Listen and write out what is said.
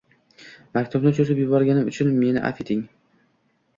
maktubni cho'zib yuborganim uchun meni avf eting.